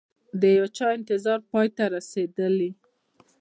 د یوچا انتظار پای ته رسیدلي